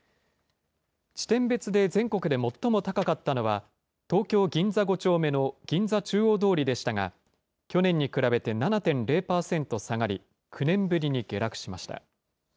地点別で全国で最も高かったのは、東京・銀座５丁目の銀座中央通りでしたが、去年に比べて７．０％下がり、９年ぶりに下落しました。